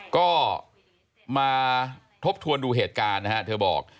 ก็มาทบทวนดูเหตุการณ์นะฮะเธอบอก